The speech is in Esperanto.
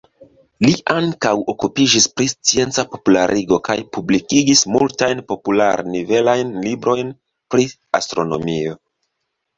Li ankaŭ okupiĝis pri scienca popularigo kaj publikigis multajn popular-nivelajn librojn pri astronomio.